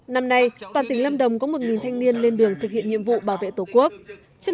năm nay toàn tỉnh lâm đồng có một thanh niên lên đường thực hiện nhiệm vụ bảo vệ tổ quốc